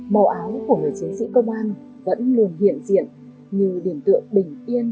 màu áo của người chiến sĩ công an vẫn luôn hiện diện như điểm tượng bình yên